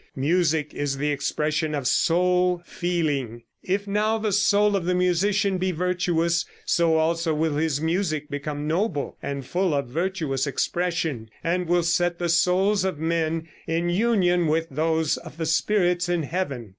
Music is the expression of soul feeling. If now the soul of the musician be virtuous, so also will his music become noble and full of virtuous expression, and will set the souls of men in union with those of the spirits in heaven."